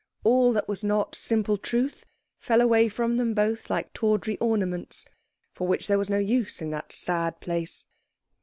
All that was not simple truth fell away from them both like tawdry ornaments, for which there was no use in that sad place.